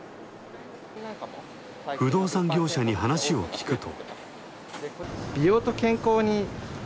不動産業者に話を聞くと。